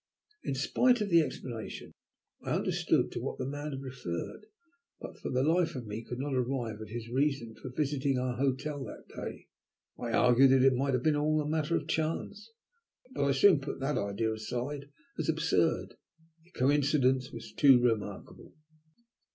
In spite of the explanation I understood to what the man had referred, but for the life of me I could not arrive at his reason for visiting our hotel that day. I argued that it might have been all a matter of chance, but I soon put that idea aside as absurd. The coincidence was too remarkable.